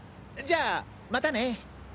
じゃあまたね。